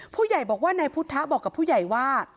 ผู้ใหญ่บอกว่านายพุทธบอกกับผู้ใหญ่ว่า